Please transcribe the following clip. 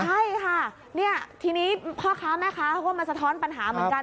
ใช่ค่ะที่นี้ค่าข้าวแม่ค้ามาสะท้อนปัญหาเหมือนกัน